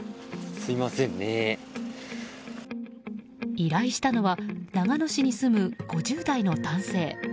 依頼したのは長野市に住む５０代の男性。